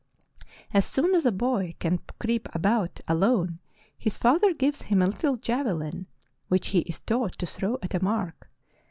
... As soon as a boy can creep about alone his father gives him a little javelin, which he is taught to throw at a mark.